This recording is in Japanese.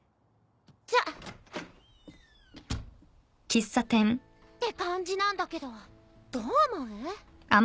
じゃ。って感じなんだけどどう思う？